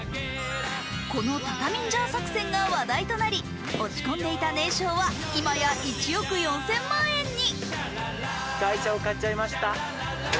このタタミンジャー作戦が話題となり、落ち込んでいた年商は今や１億４０００万円に。